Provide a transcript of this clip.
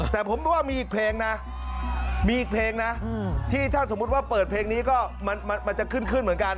แต่ผมว่ามีอีกเพลงนะมีอีกเพลงนะที่ถ้าสมมุติว่าเปิดเพลงนี้ก็มันจะขึ้นขึ้นเหมือนกัน